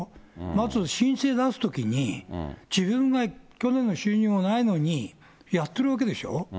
まず申請出すときに、自分が去年の収入がないのにやっているわけでしょ？